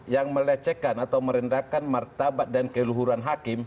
yang melecehkan atau merendahkan martabat dan keluhuran hakim